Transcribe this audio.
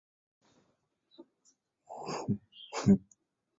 民国九年肄业于金陵警官学校。